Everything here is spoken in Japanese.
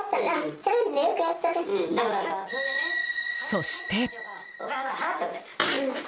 そして。